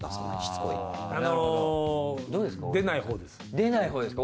出ないほうですか？